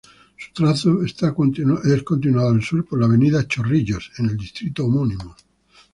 Su trazo es continuado al sur por la avenida Chorrillos en el distrito homónimo.